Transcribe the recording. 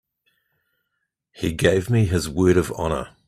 He gave me his word of honor.